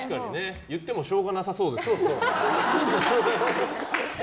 言ってもしょうがなさそうですから。